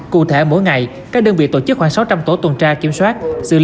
cụ thể mỗi ngày các đơn vị tổ chức khoảng sáu trăm linh tổ tuần tra kiểm soát